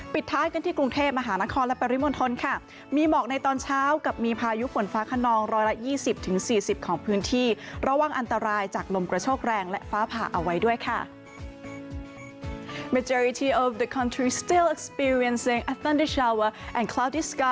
ท้ายกันที่กรุงเทพมหานครและปริมณฑลค่ะมีหมอกในตอนเช้ากับมีพายุฝนฟ้าขนองร้อยละ๒๐๔๐ของพื้นที่ระวังอันตรายจากลมกระโชคแรงและฟ้าผ่าเอาไว้ด้วยค่ะ